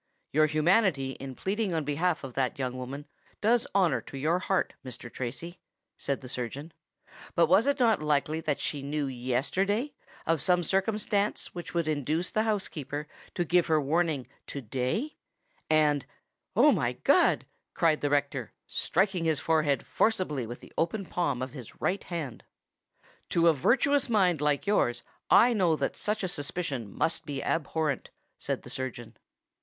"Your humanity in pleading on behalf of that young woman does honour to your heart, Mr. Tracy," said the surgeon; "but was it not likely that she knew yesterday of some circumstance which would induce the housekeeper to give her warning to day? and——" "Oh! my God!" cried the rector, striking his forehead forcibly with the open palm of his right hand. "To a virtuous mind like yours I know that such a suspicion must be abhorrent," said the surgeon.